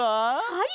はい。